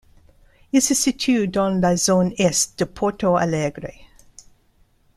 Il se situe dans la Zone Est de Porto Alegre.